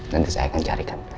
nanti saya akan carikan